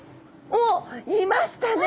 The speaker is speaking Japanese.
おっいましたね！